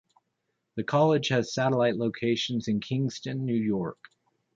The college has satellite locations in Kingston, New York.